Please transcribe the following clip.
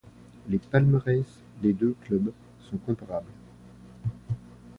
Les palmarès des deux clubs sont comparables.